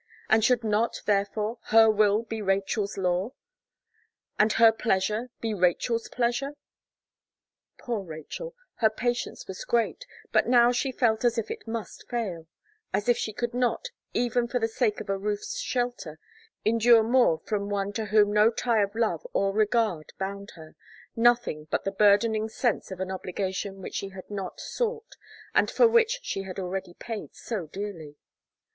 and should not, therefore, her will be Rachel's law, and her pleasure be Rachel's pleasure? Poor Rachel, her patience was great, but now she felt as if it must fail; as if she could not, even for the sake of a roof's shelter, endure more from one to whom no tie of love or regard bound her nothing but the burdening sense of an obligation which she had not sought, and for which she had already paid so dearly.